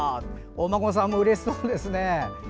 お孫さんもうれしそうですね。